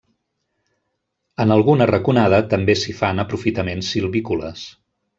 En alguna raconada també s’hi fan aprofitaments silvícoles.